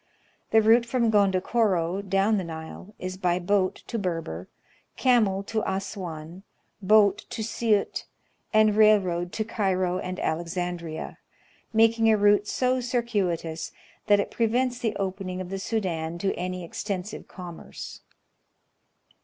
The route from Gondokoro down the Nile is by boat to Berber, camel to Assuan, boat to Siut, and railroad to Cairo and Alexandria, making a route so circuitous that it prevents the opening of the Sudan to any extensive commerce.